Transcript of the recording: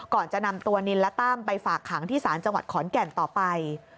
ก่อนจะนำตัวนินและตั้มไปฝากขังที่ศาลจังหวัดขอนแก่นต่อไป